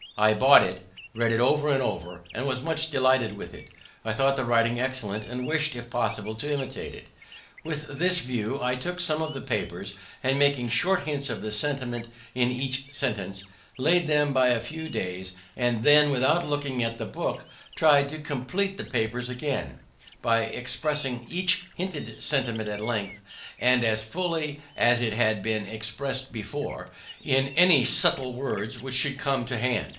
I bought it, read it over and over, and was much delighted with it. I thought the writing excellent, and wished, if possible, to imitate it. With this view I took some of the papers, and, making short hints of the sentiment in each sentence, laid them by a few days, and then, without looking at the book, try'd to compleat the papers again, by expressing each hinted sentiment at length, and as fully as it had been expressed before, in any suitable words that should come to hand.